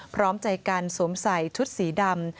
พร้อมใจกันสวมใส่ชุดสีดำ